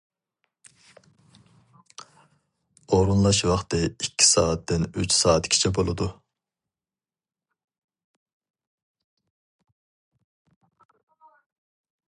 ئورۇنلاش ۋاقتى ئىككى سائەتتىن ئۈچ سائەتكىچە بولىدۇ.